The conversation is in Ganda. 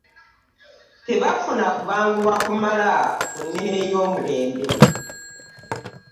Tebafuna kubangulwa kumala ku nnima ey’omulembe